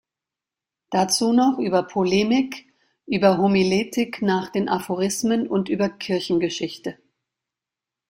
Dazu noch über Polemik, über Homiletik nach den Aphorismen und über Kirchengeschichte.